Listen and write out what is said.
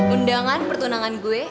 undangan pertunangan gue